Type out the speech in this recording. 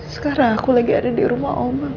sekarang aku lagi ada di rumah oma mas